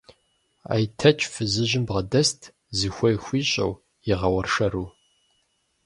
Айтэч фызыжьым бгъэдэст, зыхуей хуищӀэу, игъэуэршэру.